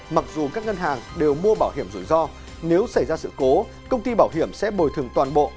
mặc dù các ngân hàng đều mua bảo hiểm rủi ro nếu xảy ra sự cố công ty bảo hiểm sẽ bồi thường toàn bộ